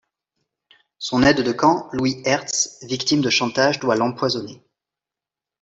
Son aide de camp, Louis Hertz, victime de chantage, doit l'empoisonner.